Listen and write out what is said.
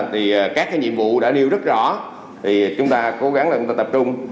thì các cái nhiệm vụ đã nêu rất rõ thì chúng ta cố gắng là chúng ta tập trung